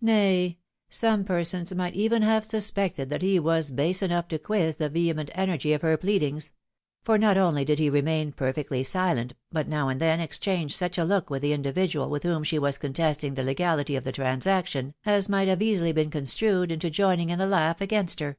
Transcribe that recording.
Nay, some persons might even have suspected that he was base enough to quiz the vehe 70 THE WIDOW MARRIED. ment energy of her pleadings ; for not only did he remain per fectly sUent, but now and then exchanged such a look with the individual with whom she was contesting the legality of the transaction, as might have easily been construed into joining in the laugh against her.